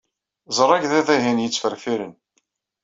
Ẓer agḍiḍ-ihin yettferfiren.